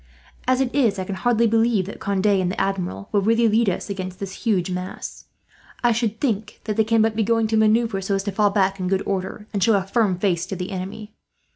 "As it is, I can hardly believe that Conde and the Admiral will really lead us against that huge mass. I should think that they can but be going to manoeuvre so as to fall back in good order, and show a firm face to the enemy.